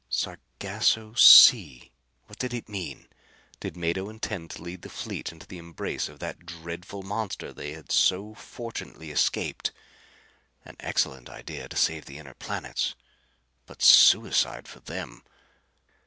Sargasso Sea! What did it mean? Did Mado intend to lead the fleet into the embrace of that dreadful monster they had so fortunately escaped? An excellent idea to save the inner planets. But suicide for them!